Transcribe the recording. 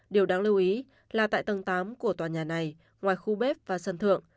điều đáng lưu ý là tại tầng tám của tòa nhà này ngoài khu bếp và sân thượng